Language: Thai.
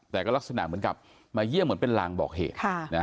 แต่ก็ลักษณะเหมือนกับมาเยี่ยมเหมือนเป็นลางบอกเหตุ